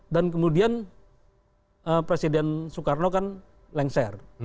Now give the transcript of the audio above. dan kemudian presiden soekarno kan lengser